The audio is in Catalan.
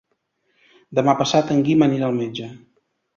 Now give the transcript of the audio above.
Demà passat en Guim anirà al metge.